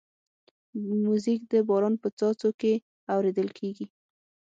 موزیک د باران په څاڅو کې اورېدل کېږي.